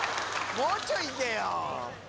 もうちょい行けよ。